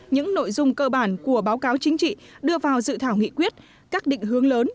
những nội dung cơ bản của báo cáo chính trị đưa vào dự thảo nghị quyết các định hướng lớn